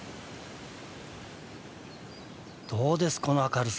どうですこの明るさ。